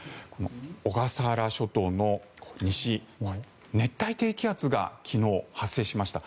小笠原諸島の西熱帯低気圧が昨日発生しました。